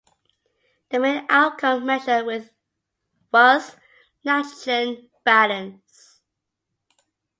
The main outcome measure was nitrogen balance.